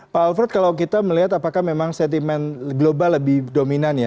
pak alfred kalau kita melihat apakah memang sentimen global lebih dominan ya